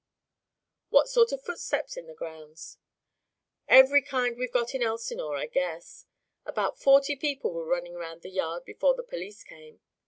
"What sort of footsteps in the grounds?" "Every kind we've got in Elsinore, I guess. About forty people were runnin' round the yard before the police came.